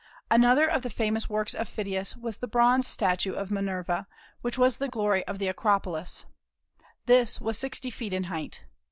Another of the famous works of Phidias was the bronze statue of Minerva, which was the glory of the Acropolis, This was sixty feet in height.